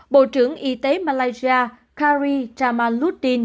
bộ trưởng y tế malaysia kari jamaluddin